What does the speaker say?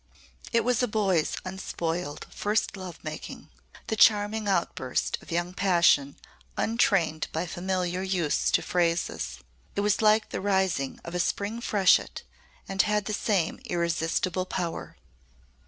It was a boy's unspoiled, first love making the charming outburst of young passion untrained by familiar use to phrases. It was like the rising of a Spring freshet and had the same irresistible power.